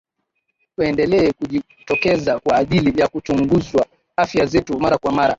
tuendelee kujitokeza kwa ajili ya kuchunguzwa afya zetu mara kwa mara